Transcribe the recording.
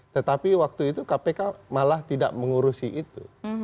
tetapi waktu itu kpk malah tidak mengurusi itu